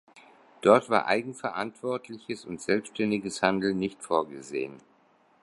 Dort war eigenverantwortliches und selbständiges Handeln nicht vorgesehen.